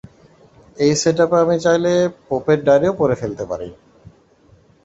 এই সেটআপে আমি চাইলে পোপের ডায়েরিও পড়ে ফেলতে পারি।